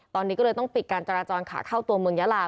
ตอนนี้ก็เลยต้องปิดการจราจรขาเข้าตัวเมืองยาลา